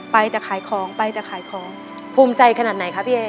ไปแต่ขายของไปแต่ขายของภูมิใจขนาดไหนคะพี่เอ